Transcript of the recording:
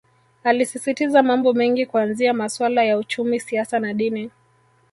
Alisisitiza mambo mengi kuanzia masuala ya uchumi siasa na dini